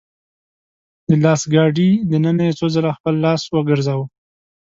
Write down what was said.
د لاس ګاډي دننه يې څو څو ځله خپل لاس وګرځاوه .